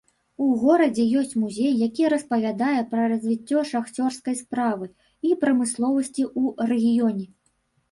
У горадзе ёсць музей, які распавядае пра развіццё шахцёрскай справы і прамысловасці ў рэгіёне.